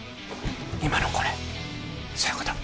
今のこれそういうこと？